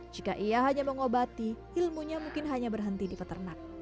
jika ia hanya mengobati ilmunya mungkin hanya berhenti di peternak